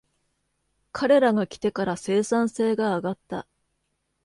彼らが来てから生産性が上がった